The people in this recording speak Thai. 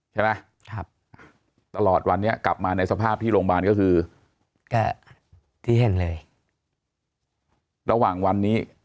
ใช่ไหมครับตลอดวันนี้กลับมาในสภาพที่โรงพยาบาลก็คือก็ที่เห็นเลยระหว่างวันนี้